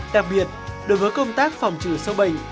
đặc biệt đối với công tác phòng trừ sâu bệnh